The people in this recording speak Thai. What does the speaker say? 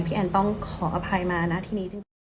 พี่แอนต้องขออภัยมานะที่นี้